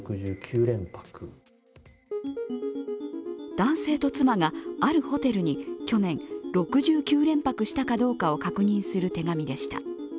男性と妻があるホテルに去年、６９連泊したかどうかを確認する手紙でした。